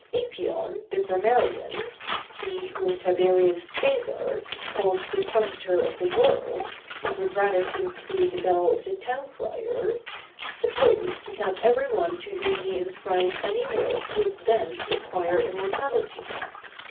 Apion, the grammarian,—he whom Tiberius Cæsar called the Trumpeter of the World, but would rather seem to be the Bell of the Town Crier,—supposed that every one to whom he inscribed any work would thence acquire immortality.